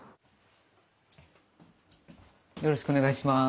よろしくお願いします。